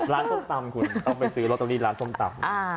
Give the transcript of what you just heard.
ร้านส้มตำคุณต้องไปซื้อรถตรงนี้ร้านส้มตำ